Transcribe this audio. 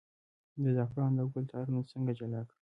د زعفرانو د ګل تارونه څنګه جلا کړم؟